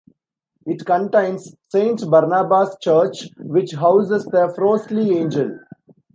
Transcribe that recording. It contains Saint Barnabas' Church, which houses the Frostley Angel.